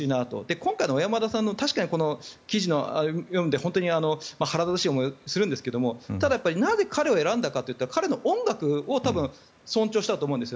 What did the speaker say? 今回の小山田さんの確かに記事を読んで本当に腹立たしい思いがするんですけどただ、やっぱり彼を選んだかというと彼の音楽を多分尊重したと思うんです。